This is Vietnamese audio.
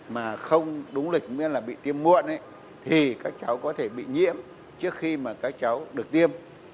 mà không đúng lịch mới là bị tiêm muộn thì các cháu có thể bị nhiễm trước khi mà các cháu được tiêm